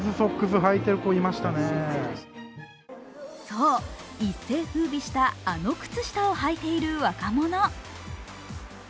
そう、一世ふうびした、あの靴下をはいている若者。